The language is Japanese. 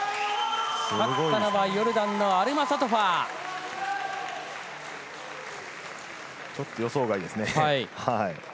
勝ったのはヨルダンのアルマサトちょっと予想外ですね。